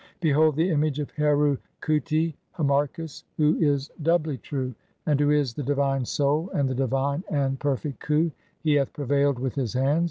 Behold the image of Heru khuti (Harmachis), who is "doubly true, and who is the divine Soul and the divine and (12) "perfect Khu ; he hath prevailed with his hands.